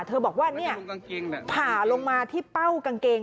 เธอบอกว่าศาสตรีลุ้มมันผ่าลงมาที่เป้ากางเกง